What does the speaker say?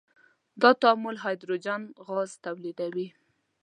دا تعامل هایدروجن غاز تولیدوي.